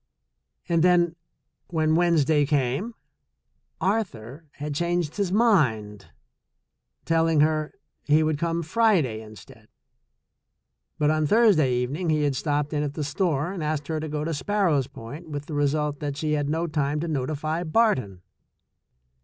And then when Wednes day came, Arthur had changed his mind, telling her he would come Friday instead, but on Thursday even ing he had stopped in at the store and asked her to go to Sparrows Point, with the result that she had no time to notify Barton.